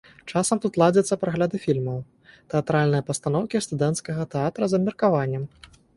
Часам тут ладзяцца прагляды фільмаў, тэатральныя пастаноўкі студэнцкага тэатра з абмеркаваннем.